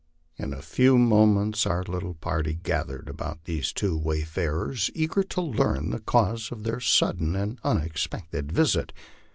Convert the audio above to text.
In a few moments our little party gathered about these two wayfarers, eager to learn the cause of their sudden and unexpected visit.